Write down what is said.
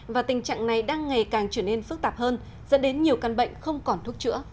và tình trạng này đang ngày càng trở nên phức tạp hơn dẫn đến nhiều căn bệnh không còn thuốc chữa